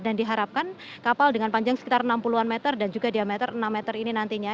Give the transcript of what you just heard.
dan diharapkan kapal dengan panjang sekitar enam puluh meter dan juga diameter enam meter ini nantinya